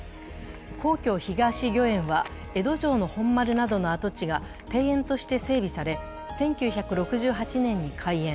皇居・東御苑は江戸城の本丸などの跡地が庭園として整備され１９６８年に開園。